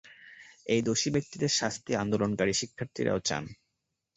এই দোষী ব্যক্তিদের শাস্তি আন্দোলনকারী শিক্ষার্থীরাও চান।